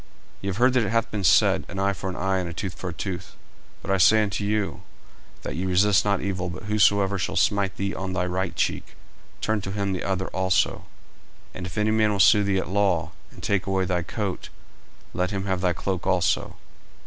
40:005:038 Ye have heard that it hath been said, An eye for an eye, and a tooth for a tooth: 40:005:039 But I say unto you, That ye resist not evil: but whosoever shall smite thee on thy right cheek, turn to him the other also. 40:005:040 And if any man will sue thee at the law, and take away thy coat, let him have thy cloak also.